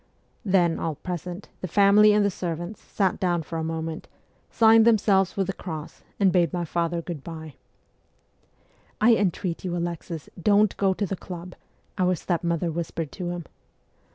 Then, all present, the family and the servants, sat down for a moment, signed themselves with the cross, and bade my father good bye. ' I entreat you, Alexis, don't go to the club,' our stepmother whispered to him.